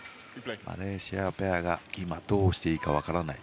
マレーシアペアが今、どうしていいか分からない。